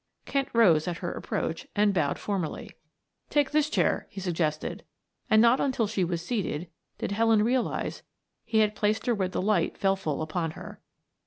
Kent rose at her approach and bowed formally. "Take this chair," he suggested, and not until she was seated did Helen realize he had placed her where the light fell full upon her.